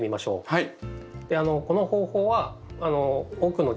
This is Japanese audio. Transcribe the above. はい。